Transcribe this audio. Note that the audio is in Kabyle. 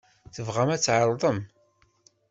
Tebɣam ad tɛerḍem?